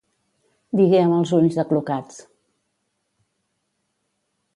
Digué amb els ulls aclucats.